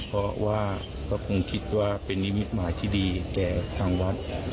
เพราะว่าเค้าคงคิดว่าเป็นนิตย์หมายที่ดีแต่ะวัด